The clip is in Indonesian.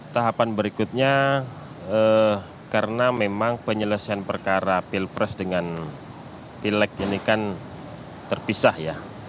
tahapan berikutnya karena memang penyelesaian perkara pilpres dengan pileg ini kan terpisah ya